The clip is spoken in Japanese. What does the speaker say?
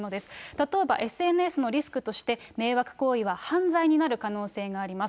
例えばＳＮＳのリスクとして、迷惑行為は犯罪になる可能性があります。